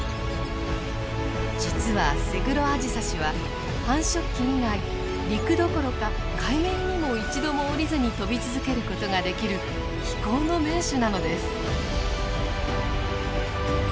実はセグロアジサシは繁殖期以外陸どころか海面にも一度も降りずに飛び続けることができる飛行の名手なのです。